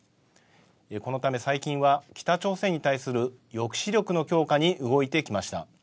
このため最近は、北朝鮮に対する抑止力の強化に動いてきました。